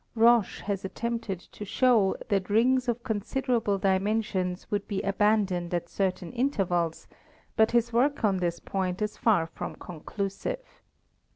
Roche has at tempted to show that rings of considerable dimensions would be abandoned at certain intervals, but his work on this point is far from conclusive.